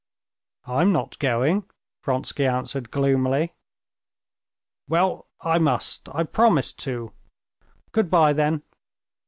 "I'm not going," Vronsky answered gloomily. "Well, I must, I promised to. Good bye, then.